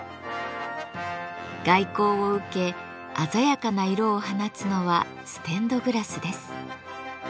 外光を受け鮮やかな色を放つのはステンドグラスです。